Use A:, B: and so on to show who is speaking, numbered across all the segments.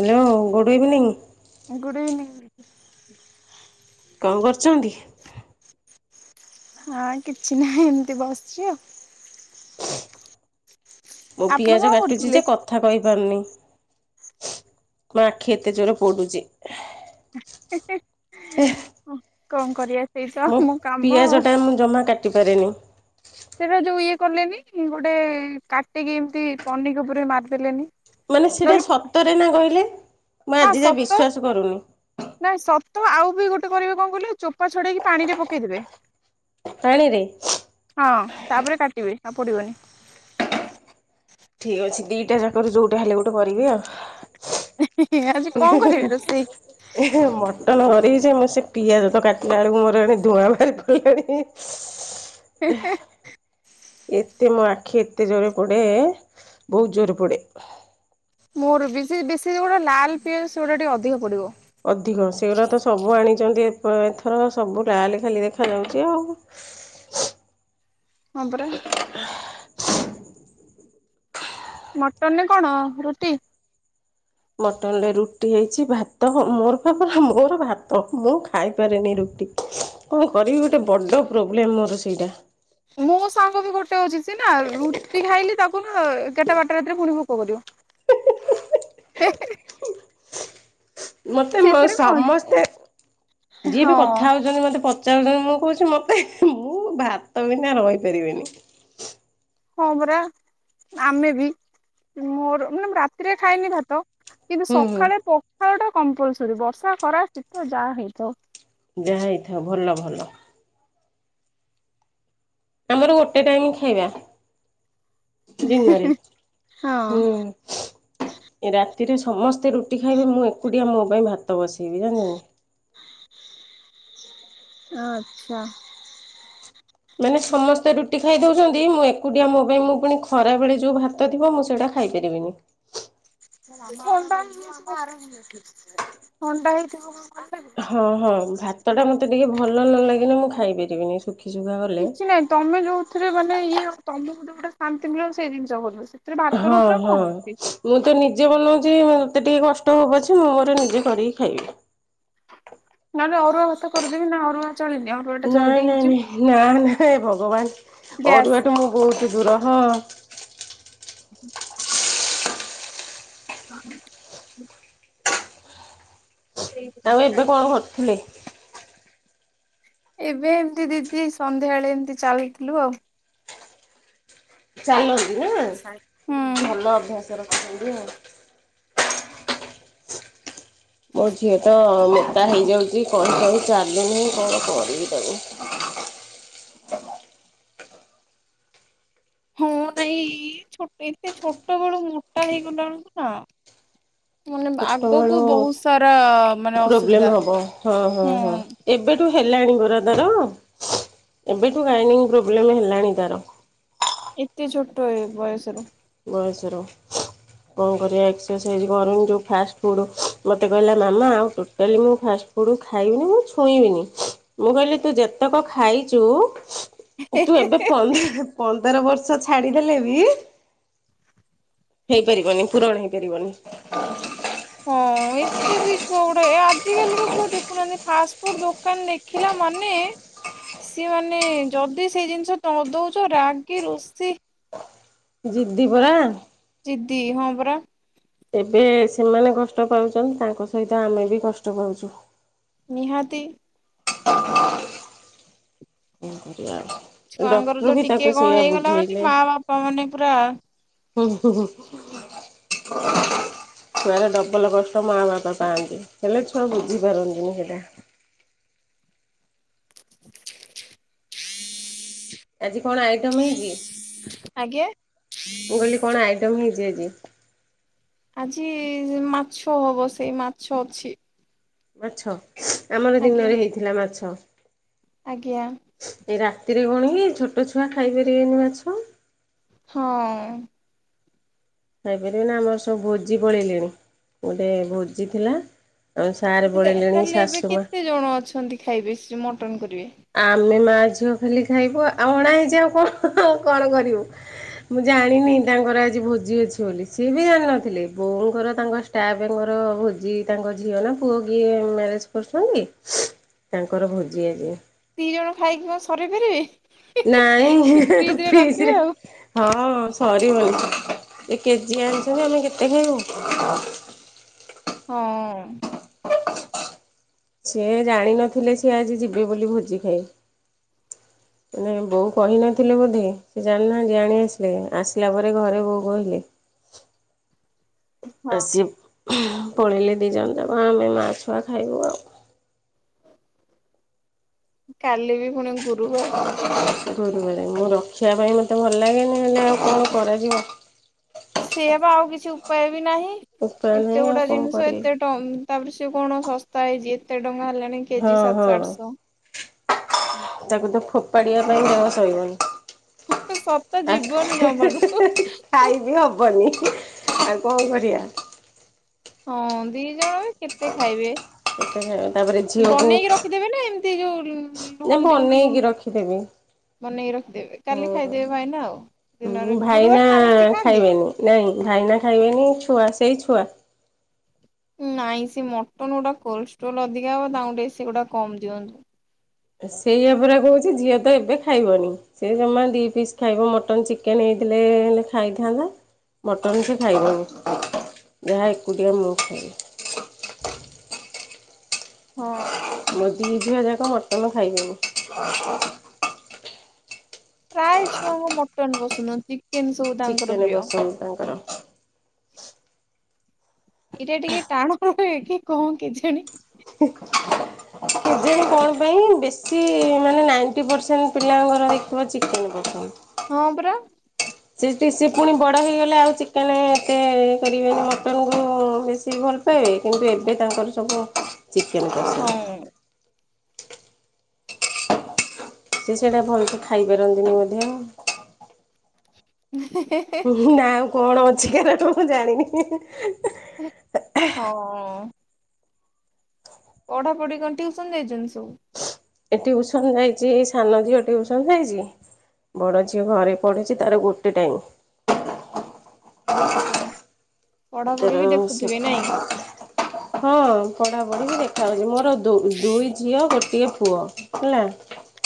A: Hello good evening.
B: Good evening.
A: କଣ କରୁଚନ୍ତି?
B: ହଁ କିଛି ନାହିଁ ଏମିତି ବସିଚି ଆଉ।
A: ମୁଁ
B: ଆପଣ
A: ପିଆଜ
B: କଣ
A: କାଟୁଚି
B: କରୁଥିଲେ?
A: ଯେ କ କଥା କହିପାରୁନି ମୋ ଆଖି ଏତେ ଜୋରେ ପୋଡୁଚି।
B: ହେଁ- ହେଁ -ହେଁ। ହଁ- କଣ୍ କରିବା ସେଇତ
A: ମୁଁ
B: ଆମ କାମ ଆଉ।
A: ପିଆଜଟା ମୁଁ ଜମା କାଟିପାରେନି।
B: ସେଟା ଯଉ ଇଏ କଲେନି ଗୋଟେ କାଟିକି ଏମିତି ପନିକି ଉପରେ ମାରିଦେଲେନି।
A: ମାନେ ସେଟା
B: ନହେଲେ
A: ସତରେ ନା କହିଲେ ମୁଁ
B: ହଁ
A: ଆଜି ଯାଏ
B: ସତ
A: ବିଶ୍ୱାସ କରୁନି।
B: ନାଇଁ ସତ ଆଉ ବି ଗୋଟେ କରିବେ କଣ କହିଲେ ଚୋପା ଛଡେଇକି ପାଣି ରେ ପକେଇଦେବେ
A: ପାଣିରେ?
B: ହଁ ତାପରେ କାଟିବେ ଆଉ ପୋଡିବନି।
A: ଠିକ୍ ଅଛି ଦିଟା ଯାକରୁ ଯଉଟା ହେଲେ ଗୋଟେ କରିବି ଆଉ।
B: ଏ-ହେଁ -ହେଁ।
A: [unintelligible] ହେଁ- ମଟନ କରିବି ଯେ ମୁଁ ସେ ପିଆଜ ତ କାଟିଲା ବଳକୁ ମୋର ଏଣେ ଧୂଆଁ ବାହାରି ପଡିଲାଣି। ହେଁ- ହେଁ।
B: ହେଁ -ହେଁ।
A: ଏତେ ମୋ ଆଖି ଏତେ ଜୋର୍ ରେ ପୋଡ଼େ ବହୁତ୍ ଜୋର୍ ରେ ପୋଡ଼େ।
B: ମୋର ବି ଯେ ବେଶୀ ଯଉଗୁଡା ଲାଲ୍ ପିଆଜ ସେଗୁଡା ଟିକେ ଅଧିକ ପୋଡିବ।
A: ଅଧିକ ସେଗୁଡ଼ା ତ ସବୁ ଆଣିଛନ୍ତି ଏପ ଏଥର ସବୁ ଲାଲ ଖାଲି ଦେଖାଯାଉଛି ଆଉ।
B: ହଁ ପରା। ମଟନରେ କଣ ରୁଟି?
A: ମଟନ ରେ ରୁଟି ହେଇଛି ଭାତ ମୋର ପା ମୋର ଭାତ ମୁଁ ଖାଇପାରେନି ରୁଟି। କଣ କରିବି ଗୋଟେ ବଡ଼ ପ୍ରୋବ୍ଲେମ ମୋର ସେଇଟା।
B: ମୋ ସାଙ୍ଗ ବି ଗୋଟେ ଅଛି ସିଏ ନା ରୁଟି ଖାଇଲି ତାକୁ ନା ଏଗାରଟା ବାରଟା ରାତିରେ ପୁଣି ଭୋକ କରିବ। [unintelligible]
A: ମୋତେ ମୋ
B: ସେଥିରେ କଣ ଅଛି?
A: ସମସ୍ତେ ଯିଏ ବି
B: ହଁ
A: କଥା ହଉଛନ୍ତି ମତେ ପ ଚାରୁଚନ୍ତି ମୁଁ କହୁଛି ମତେ ମୁଁ ଭାତ ବିନା ରହିପାରିବିନି।
B: ହଁ ପରା ଆମେ ବି ମୋର ମାନେ ମୁ ରାତିରେ ଖାଏନି ଭାତ। କିନ୍ତୁ
A: ହୁଁ ହୁଁ
B: ସକାଳେ ପଖାଳ ଟା କମ୍ପଲସରୀ ବର୍ଷା ଖରା ଶୀତ ଯାହା ହେଇଥାଉ।
A: ଯାହା ହେଇଥାଉ ଭଲ ଭଲ। ଆମର ଗୋଟେ ଟାଇମ ଖାଇବା। ଦିନରେ
B: ହଁ
A: ହୁଁ। ଏ ରାତିରେ ସମସ୍ତେ ରୁଟି ଖାଇବେ ମୁଁ ଏକୁଟିଆ ମୋ ପାଇଁ ଭାତ ବସେଇବି ଜାଣିଛନି।
B: ଆଚ୍ଛା।
A: ମାନେ ସମସ୍ତେ ରୁଟି ଖାଇ ଦଉଛନ୍ତି ମୁଁ ଏକୁଟିଆ ମୋ ପାଇଁ ମୁଁ ପୁଣି ଖରାବେଳେ ଯୋଉ ଭା ତ ଥିବ ମୁଁ ସେଇଟା ଖାଇପାରିବିନି।
B: [inaudible]
A: ହଁ ହଁ ଭାତ ଟା ମତେ ଟିକେ ଭଲ ନ ଲାଗିଲେ ମୁଁ ଖାଇ ପାରିବିନି ଶୁଖି ଶୁଖା ଗଲେ।
B: କିଛି ନାଇଁ ତମେ ଯୋଉଥିରେ ମାନେ ଇଏ ଆଉ ତମକୁ ଯୋଉଟା ଶାନ୍ତି ମିଳ ସେଇ ଜିନିଷ ଭଲ ସେ। ଥିରେ ଭାତ
A: ହଁ
B: ରୁଟି ରେ
A: ହଁ
B: କଣ ଅଛି?
A: ମୁଁ ତ ନିଜେ ବନଉଛି ମୋତେ ଟିକେ କଷ୍ଟ ହଉ ପଛେ ମୁଁ ମୋର ନିଜେ କରିକି ଖାଇବି।
B: ନହେଲେ ଅରୁଆ ହାତ କରିଦେବି ନା ଅରୁଆ ଚଳେନି ଆ
A: ନାଇଁ ନାଇଁ ନାଇଁ ନା ନାଇଁ ଭଗବାନ
B: ଗ୍ୟାସ୍
A: ଅରୁଆ ଟୁ ମୁଁ ବହୁତ ଦୂର ହଁ।
B: ହୁଁ [unintelligible]
A: ଆଉ ଏବେ କଣ କରୁଥିଲେ?
B: ଏବେ ଏମତି ଦିଦି ସନ୍ଧ୍ୟାବେଳେ ଏମିତି ଚାଲିଥିଲୁ ଆଉ।
A: ଚାଲନ୍ତି ନା
B: ହୁଁ
A: ଭଲ ଅଭ୍ୟାସ ରଖିଛନ୍ତି ଆଉ। ମୋ ଝିଅ ତ ମୋଟା ହେଇଯାଉଛି କଣ କହିମି ଚାଲୁନି କଣ କରିବି ତାକୁ?
B: ହଁ ନାଇଁ ଛୋଟେ ଏତେ ଛୋଟ ବେଳୁ ମୋଟା ହେଇଗଲା ବେଳକୁ ନା ମାନେ
A: ଛୋଟବେଳୁ
B: ଆଗକୁ ବହୁତ ସାରା ମାନେ
A: ପ୍ରୋବ୍ଲେମ୍
B: ଅସୁବିଧା ହୁଁ।
A: ଠୁ ହେଲାଣି ପରା ତାର ଏବେଠୁ ଗାଇନିଂ ପ୍ରୋବ୍ଲେମ ହେଲାଣି ତାର।
B: ଏତେ ଛୋଟ ଏଳୁ ବୟସରୁ।
A: ବୟସରୁ। କଣ କରିବା ଏକ୍ସରସାଇଜ୍ କରୁନି ଯୋଉ ଫାଷ୍ଟ ଫୁଡ଼୍ ମୋତେ କହିଲା ମାମା ଆଉ ଟୋଟାଲି ମୁଁ ଫାଷ୍ଟ ଫୁଡ଼ୁ ଖାଇମିନି ମୁଁ ଛୁଇଁବିନି ମୁଁ କହିଲି ତୁ ଯେତେକ ଖାଇଛୁ ତୁ ଏବେ ପନ୍ଦ ପନ୍ଦର ବର୍ଷ ଛାଡ଼ିଦେଲେ ବି ହେଇପାରିବନି ପୁରଣ ହେଇପାରିବନି।
B: ହଁ। ଏତେ ବି ଛୁଆ ଗୁଡ଼ା ଏ ଆଜି କାଲିିକା ଛୁଆ ଦେଖୁନାହାନ୍ତି ଫାଷ୍ଟ ଫୁଡ ଦୋକାନ ଦେଖିଲା ମାନେ ସିଏ ମାନେ ଯଦି ସେଇ ଜିନିଷ ତ ଦଉଛ ରାଗି ରୁଷି
A: ଜିଦି ପରା।
B: ଜିଦି ହଁ ପରା।
A: ଏବେ ସେମାନେ କଷ୍ଟ ପାଉଛନ୍ତି ତାଙ୍କ ସହିତ ଆମେ ବି କଷ୍ଟ ପାଉଛୁ।
B: ନିହାତି।
A: କଣ କରିବା ଆଉ?
B: ଛୁଆଙ୍କର
A: ଡକ୍ଟର
B: ତ
A: ବି
B: ଟିକେ
A: ତାକୁ
B: କଣ
A: ସେଇଆ
B: ହେଇଗଲା ମାନେ
A: ବୁଝେଇଲେ।
B: ମା ବାପା ମାନେ ପୁରା
A: [unintelligible] ଛୁଆର ଡବଲ୍ କଷ୍ଟ ମା ବାପା ପାଆନ୍ତି। ହେଲେ ଛୁଆ ବୁଝି ପାରନ୍ତିନି ସେଟା। ଆଜି କଣ ଆଇଟମ୍ ହେଇଚି?
B: ଆଜ୍ଞା।
A: [unintelligible] ହେଇଛି ଆଜି?
B: ଆଜି ମାଛ ହବ, ସେଇ ମାଛ ଅଛି।
A: ମାଛ, ଆମର
B: ଆଜ୍ଞା
A: ଦିନରେ ହେଇଥିଲା ମାଛ।
B: ଆଜ୍ଞା।
A: ଏଇ ରାତିରେ କଣ କି ଛୋଟ ଛୁଆ ଖାଇପାରିବେନି ମାଛ।
B: ହଁ।
A: ଖାଇପାରିବେ ନା ଆମର ସବୁ ଭୋଜି ପଳେଇଲେଣି। ଗୋଟେ ଭୋଜି ଥିଲା। ଆଉ ସାର୍
B: [unintelligible]
A: ପଳେଇଲେଣି
B: ତାହେଲେ ଏବେ
A: ଶାଶୁ ମା
B: କେତେ ଜଣ ଅଛନ୍ତି ଖାଇବେ ସେ ମଟନ୍ କରିବେ?
A: ଆମେ ମା ଝିଅ ଖାଲି ଖାଇବୁ ଆଉ ଅଣା ହେଇଛି ଆଉ କଣ କଣ କରିବୁ। ମୁଁ ଜାଣିନି ତାଙ୍କର ଆଜି ଭୋଜି ଅଛି ବୋଲି। ସିଏ ବି ଜାଣିନଥିଲେ। ବୋଉଙ୍କର ତାଙ୍କ ଷ୍ଟାପେ ଙ୍କର ଭୋଜି ତାଙ୍କ ଝିଅ ନା ପୁଅ କିଏ ମ୍ୟାରେଜ୍ କରୁଛନ୍ତି।
B: [inaudible]
A: ତାଙ୍କର ଭୋଜି ଆଜି।
B: ଦି ଜଣ ଖାଇକି କଣ ସରେଇ ପାରିବେ?
A: ନାଇଁ ଏ
B: ଫ୍ରିଜରେ
A: ଫ୍ରିଜ୍
B: ରଖିବେ
A: ରେ
B: ଆଉ
A: ହଁ ସରିିବନି ଏ କେଜିଏ ଆଣିଛନ୍ତି, ଆମେ କେତେ ଖାଇବୁ।
B: ହଁ।
A: ସେ ଜାଣିନଥିଲେ ସିଏ ଆଜି ଯିବେ ବୋଲି ଭୋଜି ଖାଇ।
B: [inaudible]
A: ମାନେ ବୋଉ କହିନଥିଲେ ବୋଧେ ସେ ଜାଣି ନାହାନ୍ତି। ଆଣି ଆସିଲେ [unintelligible] ଆସିଲା ପରେ ଘରେ ବୋଉ କହିଲେ। ଆ
B: ହଁ
A: ସିଏ ପଳେଇଲେ ଦି ଜଣ ଯାକ। ଆମେ ମା ଛୁଆ ଖାଇବୁ ଆଉ।
B: କାଲି ବି ପୁଣି ଗୁରୁବାର।
A: ଗୁରୁବାର ମୁଁ ରଖିବା ପାଇଁ ମୋତେ ଭଲ ଲାଗେନି। ହେଲେ ଆଉ କଣ କରାଯିବ।
B: ଅ, ସେୟା ବା ଆଉ କିଛି ଉପାୟ ବି ନାହିଁ।
A: ଉପାୟ
B: ଏତେ
A: ନାହିଁ ଆଉ
B: ଗୁଡା
A: କଣ
B: ଜିନିଷ
A: କରିବି।
B: ଏତେ ଟ ଉଁ, ତାପରେ ସେ କଣ ଶସ୍ତା ହେଇଚି ଏତେ ଟଙ୍କା ହେଲାଣି କେଜି
A: ହଁ ହଁ
B: ସାତଶହ ଆଠଶହ।
A: ତାକୁ ତ ଫୋପାଡିବା ପାଇଁ ଦେହ ସଇବନି।
B: ସତ
A: ଆ
B: ଯିବନି ଜମାରୁ
A: ଖାଇବି ହବନି, ଆଉ କଣ କରିବା।
B: ହଁ ଦି ଜଣ କେତେ ଖାଇବେ।
A: ତାପରେ
B: ଯେ
A: ଝିଅକୁ
B: ବନେଇକି ରଖିଦେବେ ନା, ଏମତି ଯୋଉ ଉଁ, ଲୁ-
A: ଯେ
B: ହଳଦୀ ଗୁଣ୍ଡ
A: ବନେଇକି
B: ଲୁଣ
A: ରଖିଦେବି
B: ବନେଇକି ରଖିଦେବେ। କାଲି
A: ହଁ।
B: ଖାଇଦେବେ ଭାଇନା ଆଉ। ଦିନରେ
A: ଭାଇନା
B: ଗୁରୁବାର ତାଙ୍କର ସେ ଖାଆନ୍ତି?
A: ଖାଇବେନି ନାଇଁ ଭାଇନା ଖାଇବେନି, ଛୁଆ ସେଇ ଛୁଆ।
B: ନାଇଁ ସେ ମଟନ୍ ଗୁଡା କୋଲଷ୍ଟ୍ରୋଲ୍ ଅଧିକା ହବ। ତାଙ୍କୁ ଟିକେ ସେ ଗୁଡା କମ୍ ଦିଅନ୍ତୁ।
A: ସେଇଆ ପରା କହୁଛି ଝିଅ ତ ଏବେ ଖାଇବନି। ସେ ଜମା ଦି ପିସ୍ ଖାଇବ, ମଟନ୍ ଚିକେନ୍ ହେଇଥିଲେ ହେଲେ ଖାଇଥାନ୍ତା। ମଟନ୍ ସେ ଖାଇବନି। ଯାହା ଏକୁଟିଆ ମୁଁ ଖାଏ।
B: ହଁ।
A: ମୋ ଦି ଝିଅ ଯାକ ମଟନ୍ ଖାଇବେନି।
B: ପ୍ରାୟ ଛୁଆଙ୍କ ମଟନ୍ ପସନ୍ଦ ନୁହଁ। ଚିକେନ୍ ସବୁ ତାଙ୍କର
A: ଚିକେନ୍
B: ପ୍ରିୟ।
A: ପସନ୍ଦ ତାଙ୍କର
B: ଏଇଟା ଟିକେ ଟାଣ ହୁଏ କି କଣ କେଜାଣି।
A: [inaudible] ଯେ କଣ ପାଇଁ ବେଶୀ ମାନେ ନାଇଣ୍ଟି ପରସେଣ୍ଟ ପିଲାଙ୍କର ହେଇଥିବ ଚିକେନ୍ ପସନ୍ଦ।
B: ହଁ ପରା।
A: ସେଟି ସେ ପୁଣି ବଡ଼ ହେଇଗଲେ ଆଉ ଚିକେନେ ଏତେ ଇଏ କରିବେନି। ମଟନ୍ କୁ ବେଶୀ ଭଲ ପାଇବେ। କିନ୍ତୁ ଏବେ ତାଙ୍କର ସବୁ ଚିକେନ୍ [inaudible]
B: ହଁ।
A: ସେ ସେଇଟା ଭଲସେ ଖାଇପାରନ୍ତିନି ମଧ୍ୟ।
B: [inaudible]
A: ନା ଆଉ କଣ ଅଛି ଏରାକ ମୁଁ ଜାଣିନି।
B: ହଁ। ପଢ଼ାପଢ଼ି କଣ ଟିଉସନ୍ ଯାଇଛନ୍ତି ସବୁ।
A: ଏ ଟିଉସନ ଯାଇଚି ଏଇ ସାନ ଝିଅ ଟିଉସନ ଯାଇଚି। ବଡ଼ ଝିଅ ଘରେ ପଢ଼ୁଛି ତାର ଗୋଟେ ଟାଇମ୍।
B: ଆଚ୍ଛା। ପଢାପଢି
A: ତାର
B: ବି ଦେଖୁଥିବେ
A: ସଖ
B: ନାଇଁ?
A: ହଁ ପଢାପଢି ମୁ ଦେଖାଯାଉଛି ମୋର ଦୁ ଦୁଇ ଝିଅ ଗୋଟିଏ ପୁଅ। ହେଲା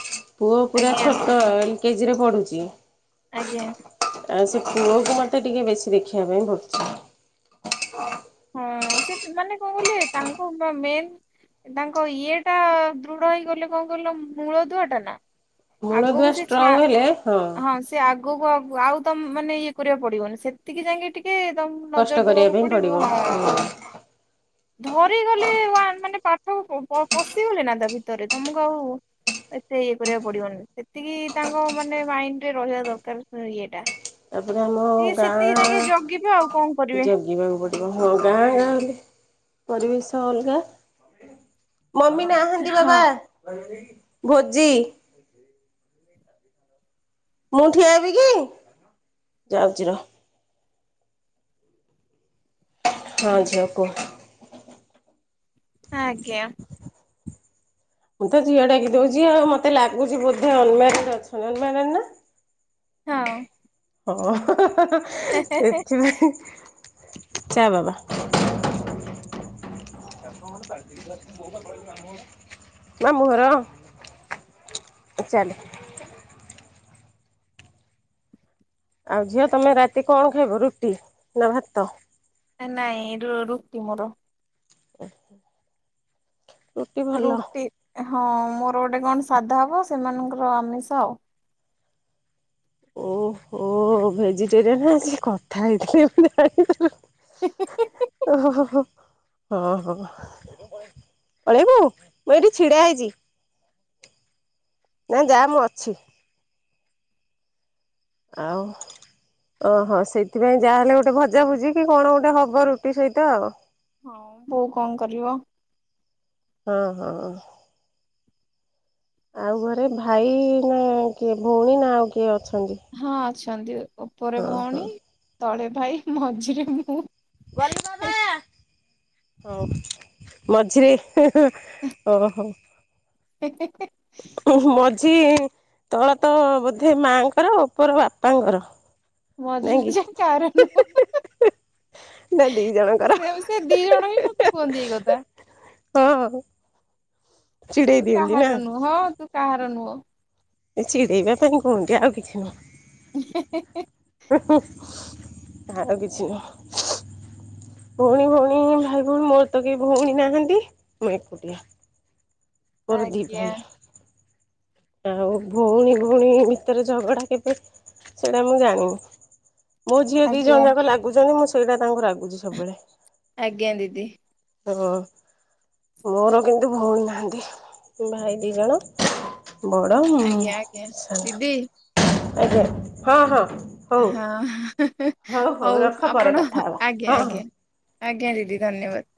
A: ପୁଅ ପୁରା
B: ଆଜ୍ଞା
A: ଛୋଟ ଏଲ୍ କେଜିରେ ପଡୁଚି।
B: ଆଜ୍ଞା।
A: ଆ ସେ ପୁଅକୁ ମତେ ଟିକେ ବେଶୀ ଦେଖିବା ପାଇଁ ପଡୁଚି।
B: ହଁ ସେ ମାନେ କଣ କହିଲେ ତାଙ୍କୁ ମେନ୍ ତାଙ୍କ ଇଏ ଟା ଦୃଢ ହେଇଗଲେ କଣ କଇଲ ମୂଳ ଦୁଆ ଟା ନା। ଆଗକୁ
A: ମୂଳଦୁଆ
B: ସେ ଛା
A: ଷ୍ଟ୍ରଙ୍ଗ ହେଲେ
B: ହଁ ସେ ସେ ଆଗକୁ ଅଗୁକୁ ଆଉ ତମ ମାନେ ଇଏ କରିବାକୁ ପଡିବନି ସେତିକି ଯାଇକି ଟିକେ ତମକୁ
A: କଷ୍ଟ
B: ନଜର
A: କରିବା
B: ଦେବାକୁ
A: ପାଇଁ
B: ପଡିବ।
A: ପଡ଼ିବ।
B: ହଁ ଧରିଗଲେ ନା ମାନେ ପାଠ ପ-ପ-ପଶିଗଲେ ନା ତା ଭିତରେ ତମକୁ ଆଉ ଏତେ ଇଏ କରିବାକୁ ପଡିବନି ସେତିକି ତାଙ୍କ ମାନେ ମାଇଣ୍ଡ ରେ ରହିବା ଦରକାର ଇଏଟା।
A: ତାପରେ ଆମ
B: ଟିକେ ସେତିକି ଯାଇକି ଜଗିବେ ଆଉ କଣ
A: ଗାଁ
B: କରିବେ
A: ଯ ଯିବାକୁ ପଡିବ ହଁ ଗାଁ ଗାଁ ଗଲେ ପରିବେଶ ଅଲଗା। ମମି ନାହାନ୍ତି
B: ହଁ
A: ବାବା ଭୋଜି। ମୁଁ ଠିଆ ହେବ କି ଯାଉଚି ରହ। ହଁ ଝିଅ କୂଅ।
B: ଆଜ୍ଞା।
A: ମୁଁ ତ ଝିଅଡକିଉଚି ଆଉ ମତେ ଲାଗୁଛି ବୋଧେ ଅନମ୍ୟାରେଡ ଅଛନ୍ତି ଅନମ୍ୟାରେଡ ନା?
B: ହଁ।
A: ହଁ ଏଥିପାଇଁ ଚା ବାବା। [inaudible] ମା ମୁ ଘର ଚାଲେ। ଆଉ ଝିଅ ତମେ ରାତି କଣ ଖାଇବ ରୁଟି ନା ଭାତ?
B: ନାଇଁ ରୁ ରୁଟି ମୋର।
A: ଓ
B: ରୁଟି ହଁ ମୋର ଗୋଟେ କଣ ସାଧା ହବ ସେମାନଙ୍କର ଆମିଷ ଆଉ।
A: ଓହୋ ଭେଜିଟେରିଆନ ଆଯି କଥା ହେଇଥିଲେ
B: [inaudible]
A: ଓ ହୋ ହୋ ହୋ ହୋ ହଁ ହଁ। ପଳେଇବୁ ମୁଁ ଏଇଠି ଛିଡା ହେଇଚି। ନାଇଁ ଯାହା ମୁଁ ଅଛି। ଆଉ। ଓହୋ ସେଇଥିପାଇଁ ଯାହାହେଲେ ଗୋଟେ ଭଜାଭୁଜି କି କଣ ଗୋଟେ ହବ ରୁଟି ସହିତ ଆଉ।
B: ହୋଉ ବୋଉ କଣ କରିବ।
A: ହଁ ହଁ। ଆଉ ଘରେ ଭାଇ ନା କିଏ ଭଉଣୀ ନା ଆଉ କିଏ ଅଛନ୍ତି?
B: ହଁ ଅଛନ୍ତି ଉପରେ
A: ହଁ ହଁ
B: ଭଉଣୀ ତଳେ ଭାଇ ମଝିରେ ମୁଁ।
A: ମଝିରେ ଓହୋ।
B: ହେଁ ହେଁ।
A: ହୁଁ ମଝି ତଳ ତ ବୋଧେ ମାଆଙ୍କର ଉପର ବାପାଙ୍କର। ନାଇଁ କି
B: ମଝିମଝା କାର ନୁହଁ।
A: ନା ଦି ଜଣଙ୍କର
B: ସେ ସେ ଦି ଜଣ ହିଁ ମତେ କୁହନ୍ତି ଏଇ କଥା।
A: ତ
B: ତୁ କାହାର ନୁହଁ ହଁ ତୁ କାହାର ନୁହଁ।
A: [unintelligible] ନ୍ତି କୋଉଠି ଆଉ କିଛି
B: ହଁ ହଁ ହଁ।
A: ହୁଁ ଆଉ କିଛି ନୁହଁ। ଭଉଣୀ ଭଉଣୀ ଭାଇ ଭଉଣୀ ମୋର ତ କେହି ଭଉଣୀ ନାହାନ୍ତି ମୁଁ ଏକୁଟିଆ। ମୋର ଦି
B: ଆଜ୍ଞା
A: ଭାଇ। ଆଉ ଭଉଣୀ ଭଉଣୀ ଭିତରେ ଝଗଡ଼ା କେବେ ସେଇଟା ମୁଁ ଜାଣିନି। ମୋ ଝିଅ ଦି
B: ଆଜ୍ଞା
A: ଜଣ ଯାକ ଲାଗୁଛନ୍ତି ମୁଁ ସେଇଟା ତାଙ୍କୁ ରାଗୁଛି ସବୁବେଳେ।
B: ଆଜ୍ଞା ଦିଦି।
A: ଓ ମୋର କିନ୍ତୁ ଭଉଣୀ ନାହାନ୍ତି। ଭାଇ ଦି ଜଣ। ବଡ଼ ମୁଁ
B: ଆଜ୍ଞା ଆଜ୍ଞା ଦିଦି
A: ସାନ। ଆଜ୍ଞା ହଁ ହଁ ହଉ।
B: ହ ହଉ
A: ରଖ ପରେ
B: ଆପଣ
A: କଥା ହବା
B: ଆଜ୍ଞା
A: ହଁ ହଁ।
B: ଆଜ୍ଞା ଆଜ୍ଞା ଦିଦି ଧନ୍ୟବାଦ।